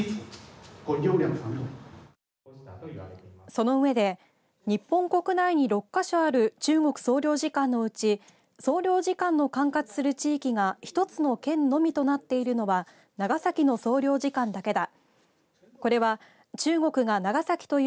その上で日本国内に６か所ある中国総領事館のうち総領事間の管轄する地域が１つの県のみとなっているのは長崎の総領事館だけだ。